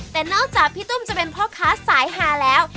แต่นอกจากพี่ตุ้มจะเป็นพ่อค้าสายฮาแล้ว